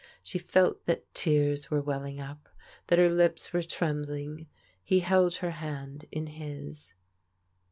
She felt that tears were welling up, that her lips were trembling. He held her hand in his.